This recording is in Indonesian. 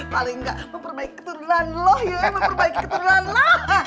paling nggak memperbaiki keturunan lo ya memperbaiki keturunan lo